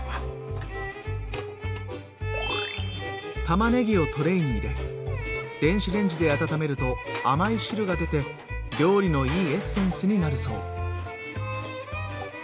たまねぎをトレーに入れ電子レンジで温めると甘い汁が出て料理のいいエッセンスになるそう。